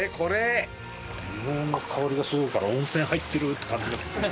硫黄の香りがすごいから温泉入ってる！って感じがする。